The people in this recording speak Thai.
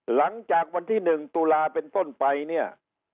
หลังจากวันที่๑ตุลาเป็นต้นไปเนี่ย